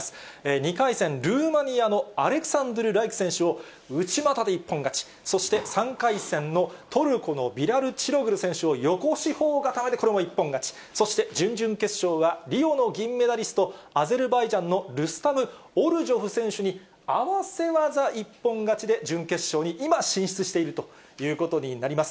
２回戦、ルーマニアのアレクサンドゥル・ライク選手を、内股で一本勝ち、そして３回戦のトルコのビラル・チログル選手を横四方固めでこれも一本勝ち、そして準々決勝は、リオの銀メダリスト、アゼルバイジャンのルスタム・オルジョフ選手に合わせ技一本勝ちで準決勝に今進出しているということになります。